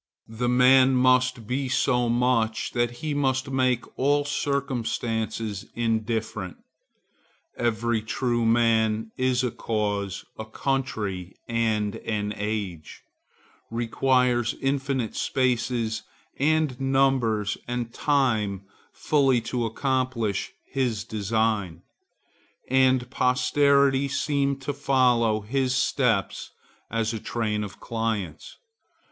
The man must be so much that he must make all circumstances indifferent. Every true man is a cause, a country, and an age; requires infinite spaces and numbers and time fully to accomplish his design;—and posterity seem to follow his steps as a train of clients.